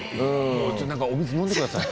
お水、飲んでください。